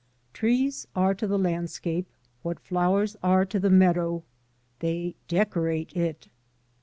TREES are to the landscape what flowers are to the meadow, they decorate it.